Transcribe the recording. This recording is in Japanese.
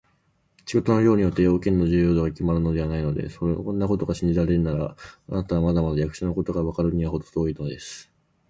仕事の量によって、用件の重要度がきまるのではないのです。そんなことを信じられるなら、あなたはまだまだ役所のことがわかるのにはほど遠いのです。